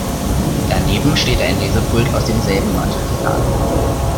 Daneben steht ein Lesepult aus demselben Material.